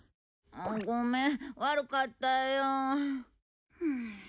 ごめん悪かったよ。